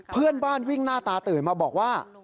เพื่อนบ้านวิ่งหน้าตาตื่นมาบอกว่า